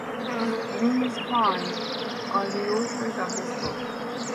These five are the authors of this book.